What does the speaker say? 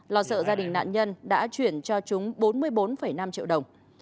lo sợ gia đình nạn nhân đã chuyển cho chúng bốn mươi bốn năm triệu đồng